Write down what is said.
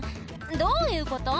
「どういうこと？